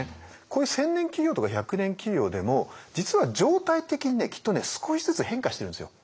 こういう千年企業とか百年企業でも実は常態的にきっとね少しずつ変化してるんですよ。